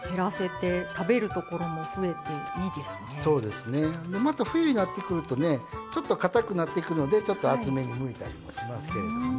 でまた冬になってくるとねちょっとかたくなっていくのでちょっと厚めにむいたりもしますけれどね。